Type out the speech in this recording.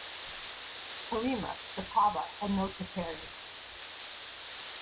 Parima, the Pava, had no Tapere.